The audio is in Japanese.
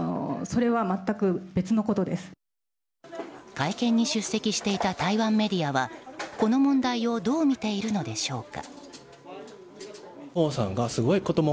会見に出席していた台湾メディアはこの問題をどう見ているのでしょうか。